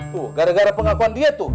tuh gara gara pengakuan dia tuh